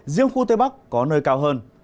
riêng khu tây bắc có nơi cao hơn